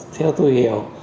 theo tôi hiểu